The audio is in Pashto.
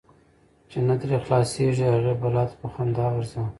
چی نه ترې خلاصیږې، هغی بلا ته په خندا ورځه .